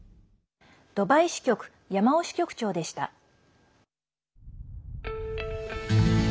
ドバイ支局、山尾支局長でした。